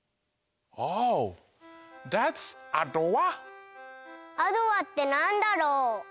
Ｏｈ．アドワってなんだろう？